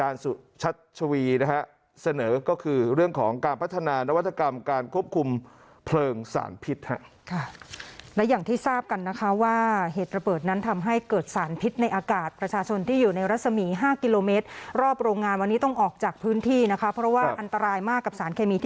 ๕เรื่องของการพัฒนาและวัตกรรมการควบคุมเพลิงสารพิษ